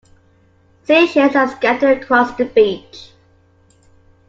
Sea shells are scattered across the beach.